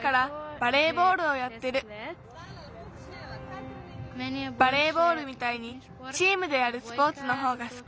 バレーボールみたいにチームでやるスポーツのほうがすき。